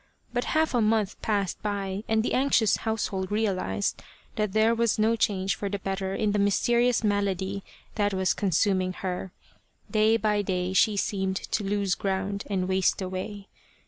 But half a month passed by and the anxious household realized that there was no change for the better in the mysterious malady that was consuming her : day by day she seemed to lose ground and waste away.